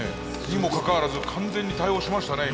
にもかかわらず完全に対応しましたね